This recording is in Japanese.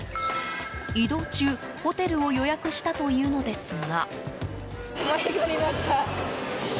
移動中、ホテルを予約したというのですが。